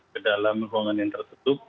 ke dalam ruangan yang tertutup